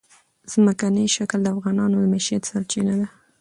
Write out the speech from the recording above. ځمکنی شکل د افغانانو د معیشت سرچینه ده.